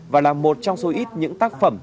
và là một trong số ít những tác phẩm